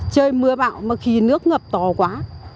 chơi mưa bạo mà khi nước ngập to quá